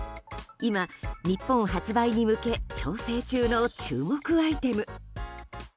今、日本発売に向け調整中の注目アイテム。